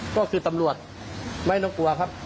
ก็คือตำรวจไม่ต้องกลัวครับ